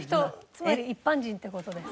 つまり一般人って事です。